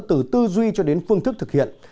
từ tư duy cho đến phương thức thực hiện